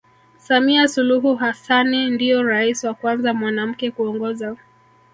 Samia Suluhu Hassanni Ndio rais wa Kwanza mwanamke kuongoza